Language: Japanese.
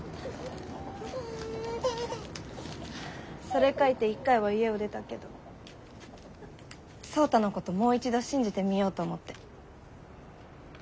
それ書いて一回は家を出たけど創太のこともう一度信じてみようと思って。